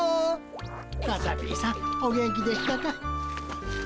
カタピーさんお元気でしたか。